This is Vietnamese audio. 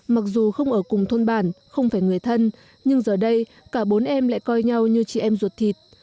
mặc dù không ở cùng thôn bản không phải người thân nhưng giờ đây cả bốn em lại coi nhau như chị em ruột thịt